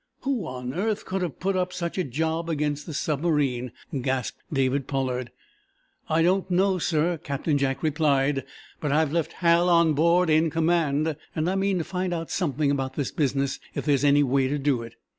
"Who on earth could have put up such a job against the submarine?" gasped David Pollard. "I don't know, sir," Captain Jack replied. "But I've left Hal on board, in command, and I mean to find out something about this business, if there is any way to do it."